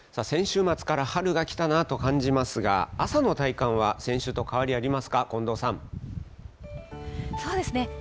先週末から春が来たなと感じますが、朝の体感は先週と変わりありそうですね。